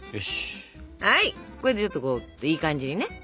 これでちょっといい感じにね。